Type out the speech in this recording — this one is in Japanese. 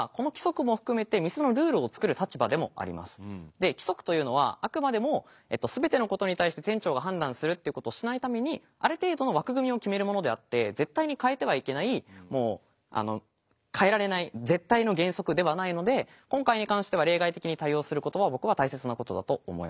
で規則というのはあくまでも全てのことに対して店長が判断するっていうことをしないためにある程度の枠組みを決めるものであって絶対に変えてはいけないもう変えられない絶対の原則ではないので今回に関しては例外的に対応することは僕は大切なことだと思います。